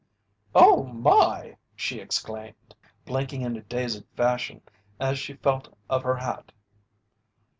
"Oh, my!" she exclaimed, blinking in a dazed fashion as she felt of her hat.